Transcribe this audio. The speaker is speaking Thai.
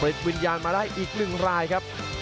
และเป็นวิญญาณมาได้อีกนึงรายครับ